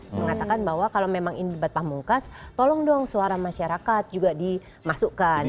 mengatakan bahwa kalau memang ini debat pamungkas tolong dong suara masyarakat juga dimasukkan